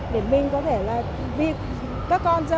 để mình có thể là vì các con